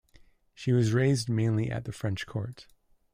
She was raised mainly at the French court.